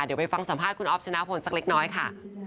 เดี๋ยวไปฟังสัมภาษณ์คุณอ๊อฟชนะพลสักเล็กน้อยค่ะ